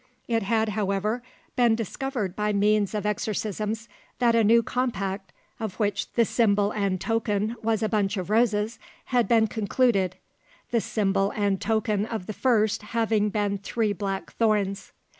It had, however, been discovered by means of exorcisms that a new compact, of which the symbol and token was a bunch of roses, had been concluded, the symbol and token of the first having been three black thorns.